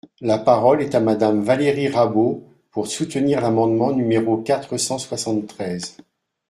La parole est à Madame Valérie Rabault, pour soutenir l’amendement numéro quatre cent soixante-treize.